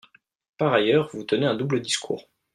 Par ailleurs, vous tenez un double discours.